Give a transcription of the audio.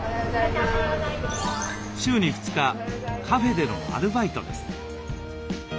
週に２日カフェでのアルバイトです。